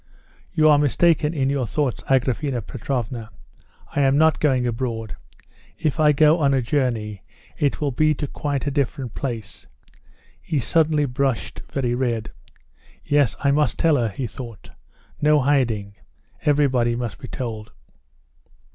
"You are mistaken in your thoughts, Agraphena Petrovna; I am not going abroad. If I go on a journey, it will be to quite a different place." He suddenly blushed very red. "Yes, I must tell her," he thought; "no hiding; everybody must be told."